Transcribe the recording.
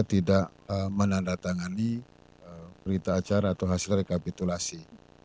tidak menandatangani berita acara atau hasil rekapitulasi